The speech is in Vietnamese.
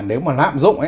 nếu mà lạm dụng